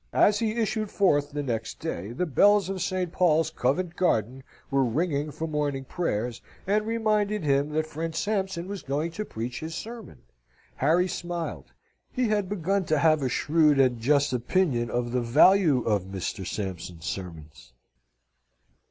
As he issued forth the next day, the bells of St. Paul's, Covent Garden, were ringing for morning prayers, and reminded him that friend Sampson was going to preach his sermon. Harry smiled. He had begun to have a shrewd and just opinion of the value of Mr. Sampson's sermons.